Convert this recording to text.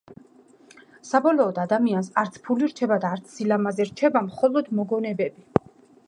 საბოლოოდ ადამიანს არც ფული რჩება და არც სილამაზე რჩება მხოლოდ მოგონებები